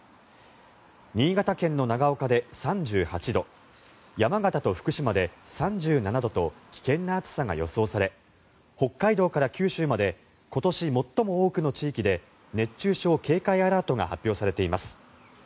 新潟県の長岡で３８度山形と福島で３７度と危険な暑さが予想され北海道から九州まで今年最も多くの地域で熱中症警戒アラートが発表されています。